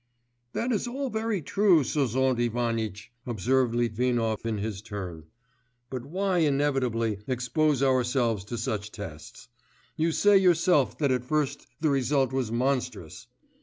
'That is all very true, Sozont Ivanitch,' observed Litvinov in his turn; 'but why inevitably expose ourselves to such tests? You say yourself that at first the result was monstrous!